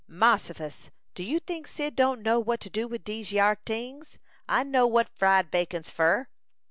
"Mossifus! Do you think Cyd don't know what to do wid dese yere tings? I knows what fried bacon's fur!"